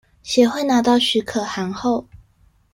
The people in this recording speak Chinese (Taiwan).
協會拿到許可函後